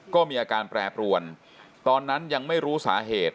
ก็มีอาการแปรปรวนตอนนั้นยังไม่รู้สาเหตุ